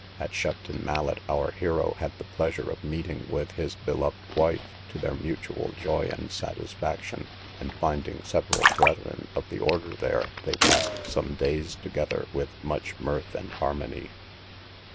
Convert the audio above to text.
At Shepton Mallet our hero had the pleasure of meeting with his beloved wife, to their mutual joy and satisfaction; and finding several brethren of the order there, they passed some days together with much mirth and harmony.